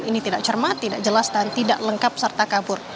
ini tidak cermat tidak jelas dan tidak lengkap serta kabur